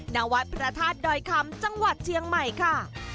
ณวัดพระธาตุดอยคำจังหวัดเชียงใหม่ค่ะ